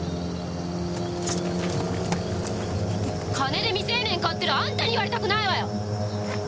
金で未成年買ってるあんたに言われたくないわよ！